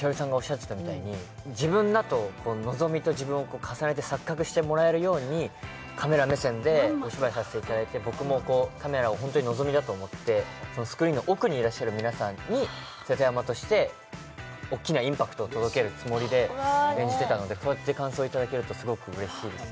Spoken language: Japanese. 自分だと希美と自分を錯覚してもらえるようにカメラ目線でお芝居させてもらって、僕もカメラを希美だと思って、スクリーンの奥にいらっしゃる皆さんに、瀬戸山として大きなインパクトを届けるつもりで演じてたのでこうやって感想をいただけるとすごくうれしいです。